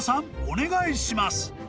お願いします］